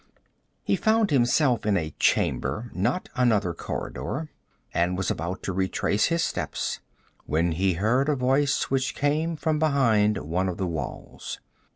He found himself in a chamber, not another corridor, and was about to retrace his steps, when he heard a voice which came from behind one of the walls.